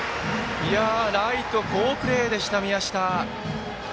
ライト、好プレーでした、宮下。